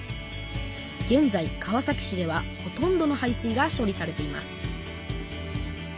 げんざい川崎市ではほとんどの排水が処理されています